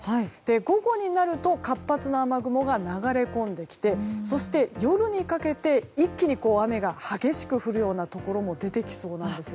午後になると活発な雨雲が流れ込んできて、夜にかけて一気に雨が激しく降るところも出てきそうなんです。